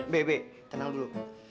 be be tenang dulu